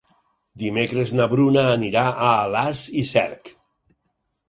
Dimecres na Bruna anirà a Alàs i Cerc.